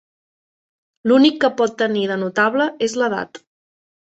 L'únic que pot tenir de notable és l'edat.